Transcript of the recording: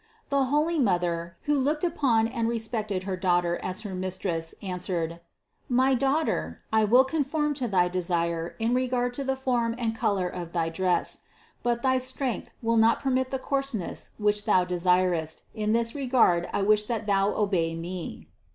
The holy Mother, who looked upon and respected her Daughter as her Mistress, answered: "My Daughter, I will conform to thy desire in regard to the form and col or of thy dress; but thy strength will not permit the coarseness which thou desirest, and in this regard I wish that thou obey me."